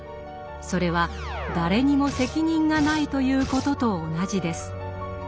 それは誰にも責任がないということと同じです。